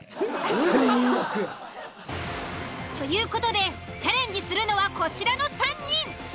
最悪や。という事でチャレンジするのはこちらの３人。